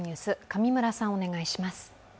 上村さん、お願いします。